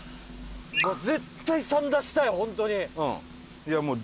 絶対「３」出したい本当に。